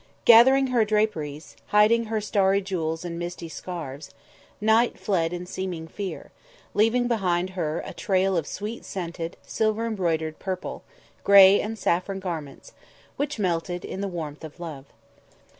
Gathering her draperies, hiding her starry jewels in misty scarves, Night fled in seeming fear, leaving behind her a trail of sweet scented, silver embroidered purple, grey and saffron garments, which melted in the warmth of love.